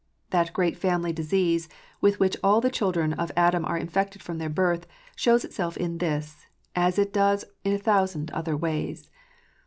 That great family disease, with which all the children of Adam are infected from their birth, shows itself in this, as it does in a thousand other ways.